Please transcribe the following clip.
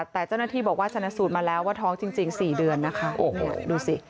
แต่เจ้าหน้าที่บอกว่าชนะสูตรมาแล้วว่าท้องจริง๔เดือนนะคะโอ้โหดูสิ